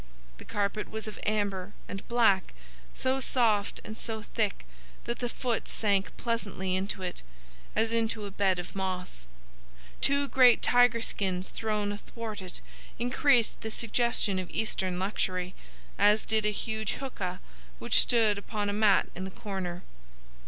The carpet was of amber and black, so soft and so thick that the foot sank pleasantly into it, as into a bed of moss. Two great tiger skins thrown athwart it increased the suggestion of Eastern luxury, as did a huge hookah which stood upon a mat in the corner.